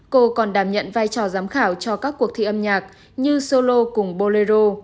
cô còn đảm nhận vai trò giám khảo cho các cuộc thi âm nhạc như solo cùng bolero